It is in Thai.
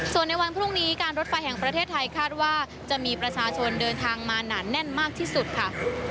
ส่วนในวันพรุ่งนี้การรถไฟแห่งประเทศไทยคาดว่าจะมีประชาชนเดินทางมาหนาแน่นมากที่สุดค่ะ